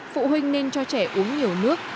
phụ huynh nên cho trẻ uống nhiều nước